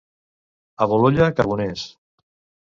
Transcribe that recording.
A Bolulla, carboners.